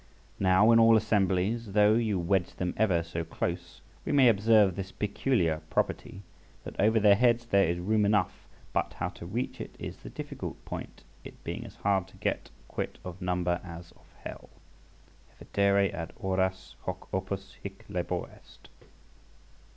Now, in all assemblies, though you wedge them ever so close, we may observe this peculiar property, that over their heads there is room enough; but how to reach it is the difficult point, it being as hard to get quit of number as of hell. "—Evadere ad auras, Hoc opus, hic labor est."